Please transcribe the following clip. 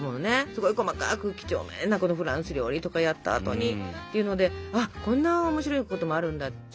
すごい細かく几帳面なフランス料理とかやった後にというのであこんな面白いこともあるんだって。